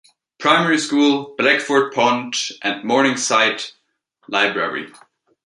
Primary School; Blackford Pond; and Morningside Library.